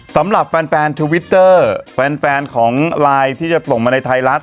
สำหรับแฟนทวิตเตอร์แฟนของไลน์ที่จะส่งมาในไทยรัฐ